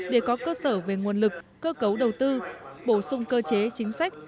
để có cơ sở về nguồn lực cơ cấu đầu tư bổ sung cơ chế chính sách